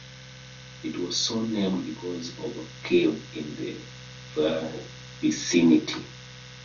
It was so named because of a cave in the vicinity.